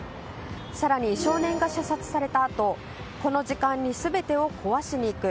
更に少年が射殺されたあとこの時間に全てを壊しに行く。